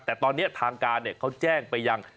แต่ตอนนี้ทางการเขาแจ้งไปยัง